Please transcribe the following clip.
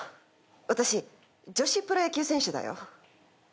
私女子プロ野球選手だよ？